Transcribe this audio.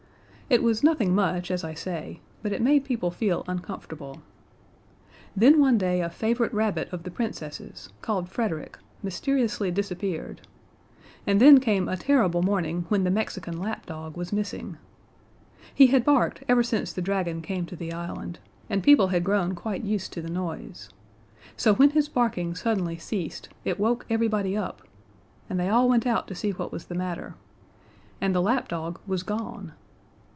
It was nothing much, as I say, but it made people feel uncomfortable. Then one day a favorite rabbit of the Princess's, called Frederick, mysteriously disappeared, and then came a terrible morning when the Mexican lapdog was missing. He had barked ever since the dragon came to the island, and people had grown quite used to the noise. So when his barking suddenly ceased it woke everybody up and they all went out to see what was the matter. And the lapdog was gone!